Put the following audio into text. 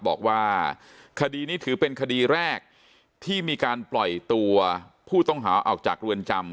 บอกว่าคดีนี้ถือเป็นคดีแรกที่มีการปล่อยตัวผู้ต้องหาออกจากเรือนจำ